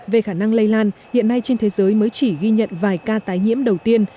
về khả năng lây lan hiện nay trên thế giới mới chỉ ghi nhận vài ca tái nhiễm đầu tiên